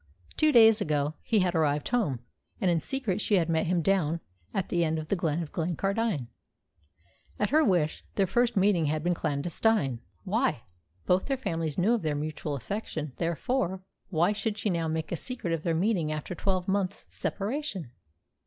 Two days ago he had arrived home, and in secret she had met him down at the end of the glen at Glencardine. At her wish, their first meeting had been clandestine. Why? Both their families knew of their mutual affection. Therefore, why should she now make a secret of their meeting after twelve months' separation?